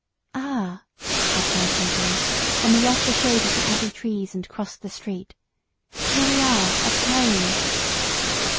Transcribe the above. "Ah!" I cried eagerly, when we left the shade of the Abbey trees, and crossed the street; "here we are, at home!"